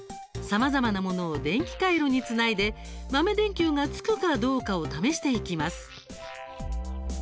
さまざまなものを電気回路につないで豆電球がつくどうかを試していきます。